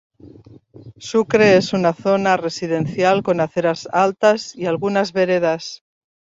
Sucre es una zona residencial con aceras altas y algunas veredas.